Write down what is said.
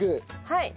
はい。